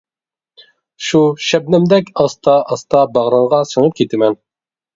شۇ شەبنەمدەك ئاستا-ئاستا باغرىڭغا سىڭىپ كىتىمەن.